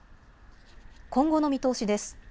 今後の見通しです。